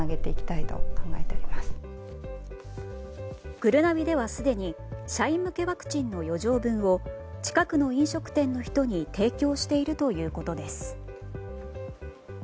ぐるなびではすでに社員向けワクチンの余剰分を近くの飲食店の人に提供しているということです。